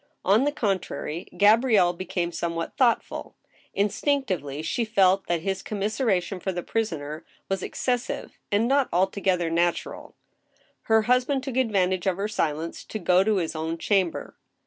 On the contrary, Gabrielle became somewhat thoughtful. In stinctively she felt that his commiseration for the prisoner was ex cessive, and not altogether natural. Her husband took advantage of her silence to go to his own chamber.